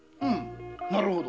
なるほど。